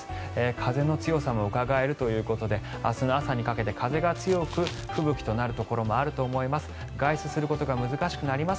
風の強さもうかがえるということで明日の朝にかけて風が強く吹雪となるところもあると思います。